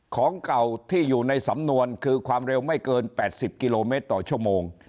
ของเก่าที่อยู่ในสำนวนคือความเร็วไม่เกิน๘๐กิโลเมตรต่อชั่วโมง